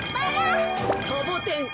サボテン。